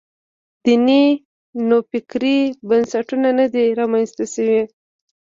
دیني نوفکرۍ بنسټونه نه دي رامنځته شوي.